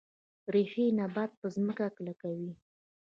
ریښې نبات په ځمکه کلکوي